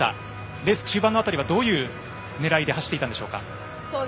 レース中盤辺り、どういう狙いで走っていたんですか？